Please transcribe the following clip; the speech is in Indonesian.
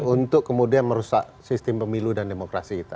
untuk kemudian merusak sistem pemilu dan demokrasi kita